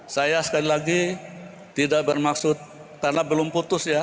saya sekali lagi tidak bermaksud karena belum putus ya